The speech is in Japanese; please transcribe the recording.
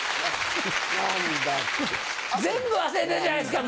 全部忘れてるじゃないですか！